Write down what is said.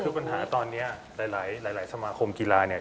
คือปัญหาตอนนี้หลายสมาคมกีฬาเนี่ย